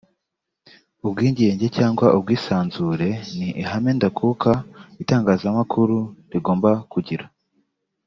Ubwigenge cyangwa ubwisanzure ni ihame ndakuka Itangazamakuru rigomba kugira